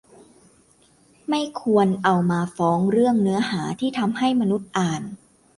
ไม่ควรเอามาฟ้องเรื่องเนื้อหาที่ทำให้มนุษย์อ่าน